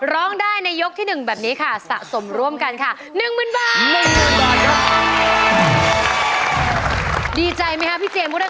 ร้องได้ในยกที่หนึ่งแบบนี้ค่ะสะสมร่วมครับ